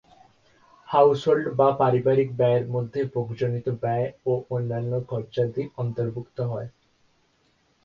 Household বা পারিবারিক ব্যয়ের মধ্যে ভোগজনিত ব্যয় ও অন্যান্য খরচাদি অন্তর্ভুক্ত হয়।